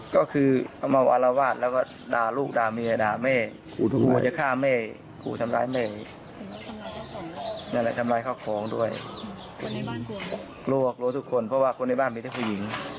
กลัวกลัวทุกคนเพราะว่าคนในบ้านมีแต่ผู้หญิง